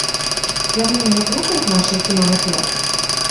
Яны неяк рухаюць нашае кіно наперад?